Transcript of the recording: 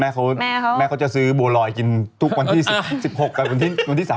แม่เขาแม่เขาจะซื้อโบรอยกินทุกวันที่๑๖แต่วันที่๓๑ตลอด